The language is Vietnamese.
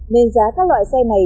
nên giá các loại xe này